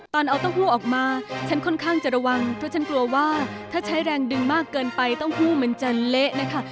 ตอนเอาเต้าหู้ออกมาฉันค่อนข้างจะระวังเพราะฉันกลัวว่าถ้าใช้แรงดึงมากเกินไปเต้าหู้มันจะเละนะคะ